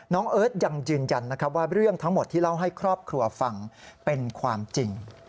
เอิร์ทยังยืนยันนะครับว่าเรื่องทั้งหมดที่เล่าให้ครอบครัวฟังเป็นความจริง